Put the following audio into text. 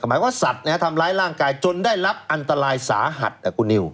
หมายถึงว่าสัตว์เนี่ยทำร้ายร่างกายจนได้รับอันตรายสาหรรษนะครูนิว